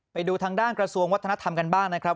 ไปดูทางด้านกระทรวงวัฒนธรรมกันบ้างนะครับ